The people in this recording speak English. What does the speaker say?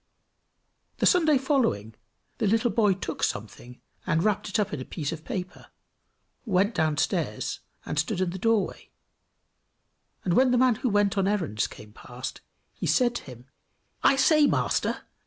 The Sunday following, the little boy took something, and wrapped it up in a piece of paper, went downstairs, and stood in the doorway; and when the man who went on errands came past, he said to him "I say, master!